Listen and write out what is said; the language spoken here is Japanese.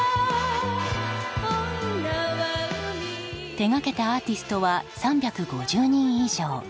手がけたアーティストは３５０人以上。